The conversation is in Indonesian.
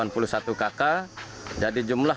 kakak jadi jumlah